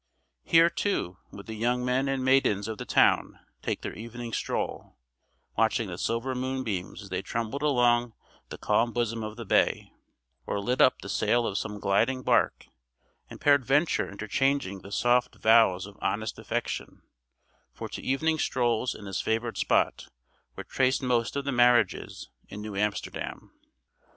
Here, too, would the young men and maidens of the town take their evening stroll, watching the silver moon beams as they trembled along the calm bosom of the bay, or lit up the sail of some gliding bark, and peradventure interchanging the soft vows of honest affection; for to evening strolls in this favored spot were traced most of the marriages in New Amsterdam.